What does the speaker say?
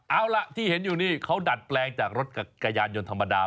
เอาล่ะที่เห็นอยู่นี่เขาดัดแปลงจากรถจักรยานยนต์ธรรมดา